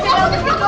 biar bu ajang buka